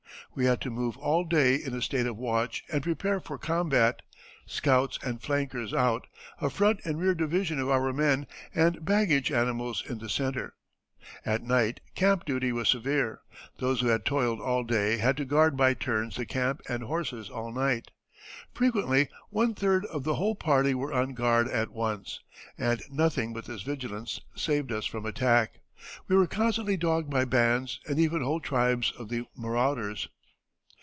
We had to move all day in a state of watch and prepare for combat, scouts and flankers out, a front and rear division of our men, and baggage animals in the centre. At night camp duty was severe; those who had toiled all day had to guard by turns the camp and horses all night. Frequently one third of the whole party were on guard at once, and nothing but this vigilance saved us from attack. We were constantly dogged by bands and even whole tribes of the marauders."